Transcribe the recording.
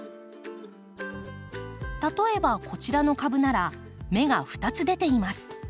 例えばこちらの株なら芽が２つ出ています。